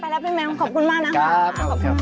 ไปแล้วไปแล้วยังขอบคุณมากนะครับ